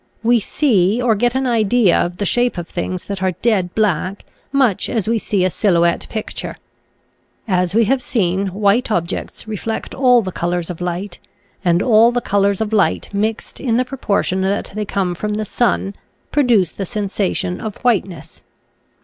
We see or get an idea of the shape of things that are dead black, much a3 we see a silhouette picture. As we have seen, white objects reflect all the colors of light, and all the colors of light mixed in the proportion that they come from the sun produce the sen sation of whiteness.